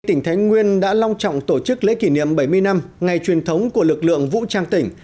tỉnh thái nguyên đã long trọng tổ chức lễ kỷ niệm bảy mươi năm ngày truyền thống của lực lượng vũ trang tỉnh